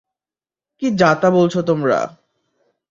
কী যা-তা বলছ তোমরা?